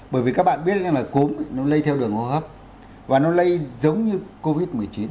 bởi vì các bạn biết rằng là cốm nó lây theo đường hô hấp và nó lây giống như covid một mươi chín